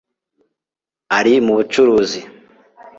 ari mu bucuruzi